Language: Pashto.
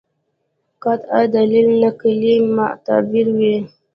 قاطع دلیل نقلي معتبر وي.